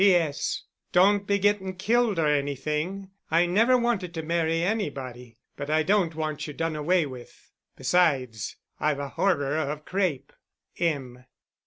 "P. S. Don't be getting killed or anything; I never wanted to marry anybody but I don't want you done away with. Besides, I've a horror of crêpe. M."